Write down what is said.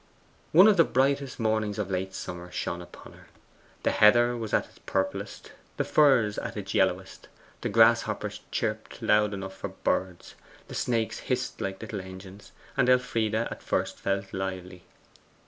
One of the brightest mornings of late summer shone upon her. The heather was at its purplest, the furze at its yellowest, the grasshoppers chirped loud enough for birds, the snakes hissed like little engines, and Elfride at first felt lively.